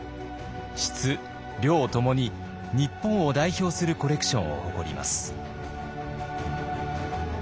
質量ともに日本を代表するコレクションを誇ります。